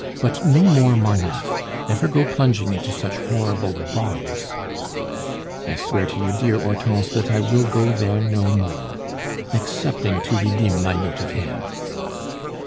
But no more Marneffe. Never go plunging into such horrible bogs." "I swear to you, my dear Hortense, that I will go there no more, excepting to redeem my note of hand."